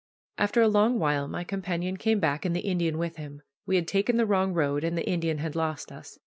After a long while my companion came back, and the Indian with him. We had taken the wrong road, and the Indian had lost us.